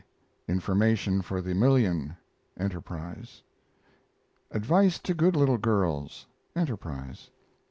INFORMATION FOR THE MILLION Enterprise. ADVICE TO GOOD LITTLE GIRLS Enterprise.